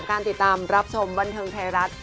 ว่าเราก็มี